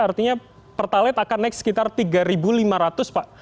artinya pertalet akan naik sekitar rp tiga lima ratus pak